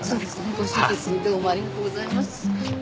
ご親切にどうもありがとうございます。